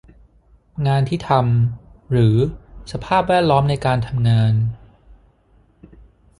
งานที่ทำ หรือ สภาพแวดล้อมในการทำงาน